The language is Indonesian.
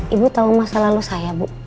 ibu tahu masalah lo saya bu